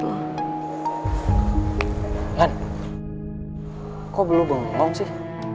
kok belum bengong sih